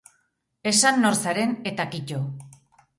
Esan nor zaren eta kito.